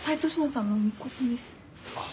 ああ。